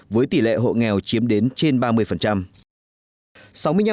với tỷ lệ hộ nghèo chiếm đến trên ba mươi